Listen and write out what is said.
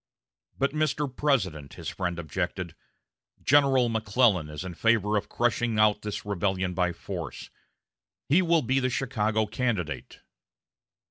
"But, Mr. President," his friend objected, "General McClellan is in favor of crushing out this rebellion by force. He will be the Chicago candidate."